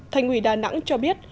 thành ủy đà nẵng cho biết